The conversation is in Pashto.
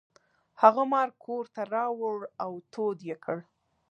هغه مار کور ته راوړ او تود یې کړ.